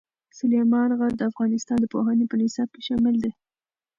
سلیمان غر د افغانستان د پوهنې په نصاب کې شامل دی.